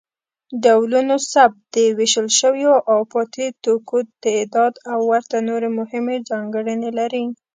ډولونوثبت، د ویشل شویو او پاتې توکو تعداد او ورته نورې مهمې ځانګړنې لري.